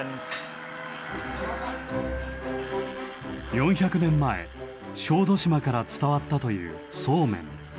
４００年前小豆島から伝わったというそうめん。